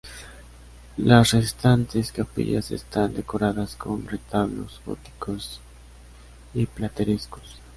Las restantes capillas están decoradas con retablos góticos y platerescos.